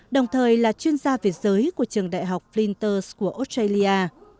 đồng thời là chuyên gia về giới của trường đại học flinters của australia